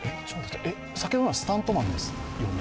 先ほどのはスタントマンですよね？